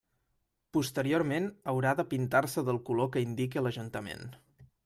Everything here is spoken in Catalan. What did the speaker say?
Posteriorment haurà de pintar-se del color que indique l'Ajuntament.